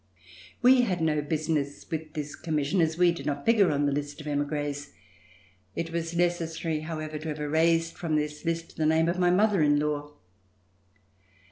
We had no business with this Commission as we did not figure on the list of emigres. It was necessary, however, to have erased from this Hst the name of my mother in law.